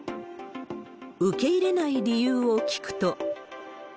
受け入れない理由を聞くと。